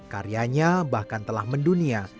karyanya bahkan telah mendunia